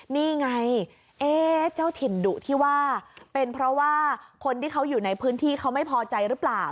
นี่ไงเจ้าถิ่นดุที่ว่าเป็นเพราะว่าคนที่เขาอยู่ในพื้นที่เขาไม่พอใจหรือเปล่า